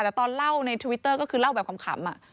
แต่ตอนเล่าในทวิตเตอร์ก็คือเล่าแบบขำ